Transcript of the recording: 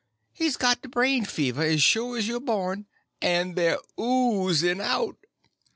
He's got the brain fever as shore as you're born, and they're oozing out!"